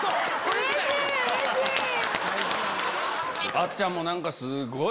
あっちゃんもすごい。